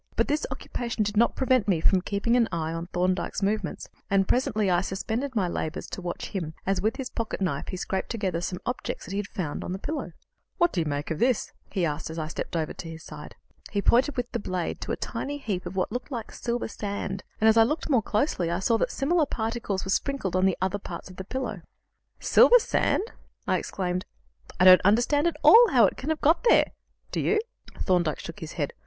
But this occupation did not prevent me from keeping an eye on Thorndyke's movements, and presently I suspended my labours to watch him as, with his pocket knife, he scraped together some objects that he had found on the pillow. "What do you make of this?" he asked, as I stepped over to his side. He pointed with the blade to a tiny heap of what looked like silver sand, and, as I looked more closely, I saw that similar particles were sprinkled on other parts of the pillow. "Silver sand!" I exclaimed. "I don't understand at all how it can have got there. Do you?" Thorndyke shook his head.